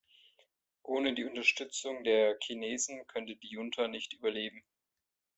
Ohne die Unterstützung der Chinesen könnte die Junta nicht überleben.